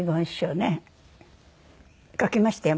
書きましたよ